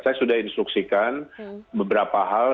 saya sudah instruksikan beberapa hal